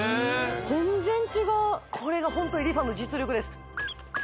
全然違うこれがホントにＲｅＦａの実力です